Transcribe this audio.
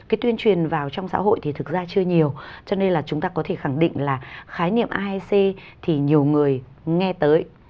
cái tuyên truyền vào trong xã hội thì thực ra chưa nhiều cho nên là chúng ta có thể khẳng định là khái niệm aec thì nhiều người nghe tới